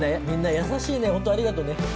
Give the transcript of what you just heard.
みんな優しいねホントありがとね